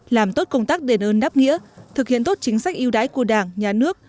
làm tốt công tác đền ơn đáp nghĩa thực hiện tốt chính sách yêu đái của đảng nhà nước